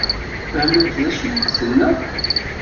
Fehment d acu i d-tenna?